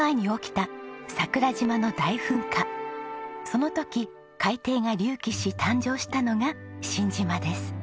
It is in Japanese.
その時海底が隆起し誕生したのが新島です。